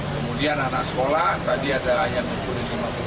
kemudian anak sekolah tadi ada yang berkutuk rp lima puluh